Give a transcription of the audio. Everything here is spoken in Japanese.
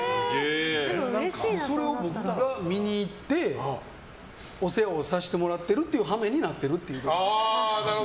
それを僕が見に行ってお世話をさせてもらう羽目になっているという。